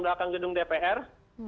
belakang gedung dpr